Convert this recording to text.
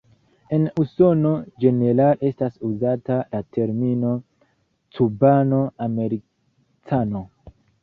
En Usono, ĝenerale estas uzata la termino "Cubano-Americano.